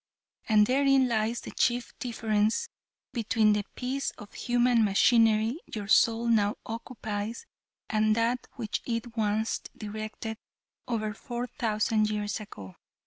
And therein lies the chief difference between the piece of human machinery your soul now occupies and that which it once directed over four thousand years ago.